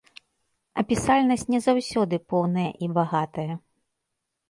Апісальнасць не заўсёды поўная і багатая.